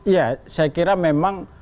ya saya kira memang